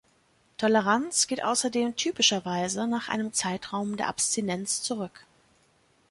Toleranz geht außerdem typischerweise nach einem Zeitraum der Abstinenz zurück.